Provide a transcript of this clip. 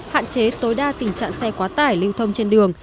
hạn chế tối đa tình trạng xe quá tải lưu thông trên đường